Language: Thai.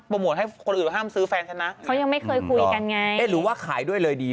โมทให้คนอื่นห้ามซื้อแฟนฉันนะเขายังไม่เคยคุยกันไงเอ๊ะหรือว่าขายด้วยเลยดี